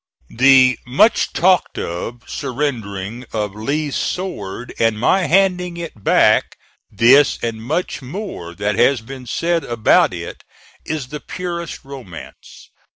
The much talked of surrendering of Lee's sword and my handing it back, this and much more that has been said about it is the purest romance.